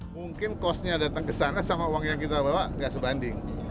mungkin costnya datang ke sana sama uang yang kita bawa nggak sebanding